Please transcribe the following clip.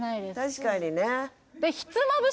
確かにね